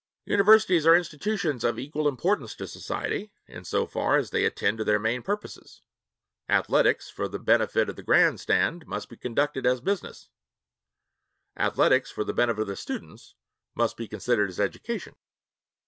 Universities are institutions of equal importance to society, in so far as they attend to their main purposes. Athletics for the benefit of the grandstand must be conducted as business; athletics for the benefit of students must be conducted as education.